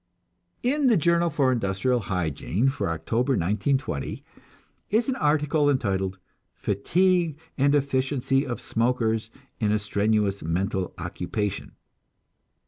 In the "Journal for Industrial Hygiene" for October, 1920, is an article entitled "Fatigue and Efficiency of Smokers in a Strenuous Mental Occupation."